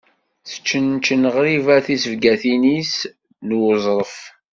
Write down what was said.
Ad teččenčen ɣriba tizebgatin n uẓref.